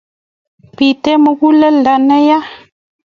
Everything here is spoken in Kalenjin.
Bite muguleldo neya